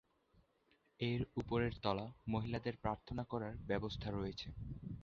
এর উপরের তলা মহিলাদের প্রার্থনা করার ব্যবস্থা রয়েছে।